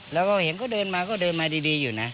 แล้วก็เห็นเขาเดินมาก็เดินมาดีอยู่นะ